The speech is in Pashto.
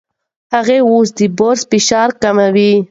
هغه اوس د برس فشار کموي.